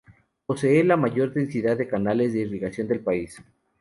Posee la mayor densidad de canales de irrigación del país.